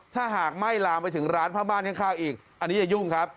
ถ้าหากไม่ลามไปถึงร้านผ้าม่านข้างอีกอันนี้อย่ายุ่งครับ